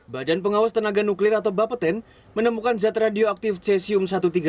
badan pengawas tenaga nuklir atau bapeten menemukan zat radioaktif cesium satu ratus tiga puluh